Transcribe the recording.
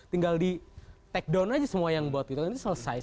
tinggal di take down aja semua yang bot gitu nanti selesai